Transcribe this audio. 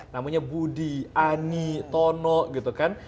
namanya budi ani tono gitu kan